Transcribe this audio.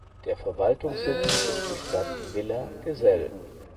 Der Verwaltungssitz ist die Stadt Villa Gesell.